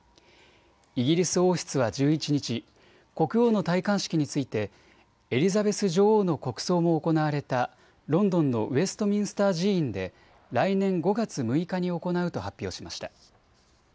イギリス王室は１１日、国王の戴冠式についてエリザベス女王の国葬も行われたロンドンのウェストミンスター寺院で来年５月６日に行うと発表しました。